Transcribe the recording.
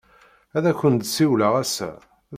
Ad akent-d-siwleɣ ass-a.